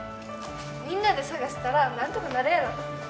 みんなで探したらなんとかなるやろ。